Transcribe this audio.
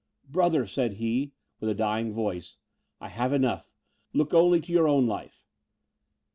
"Brother," said he, with a dying voice, "I have enough! look only to your own life."